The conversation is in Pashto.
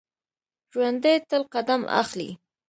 ژوندي تل قدم اخلي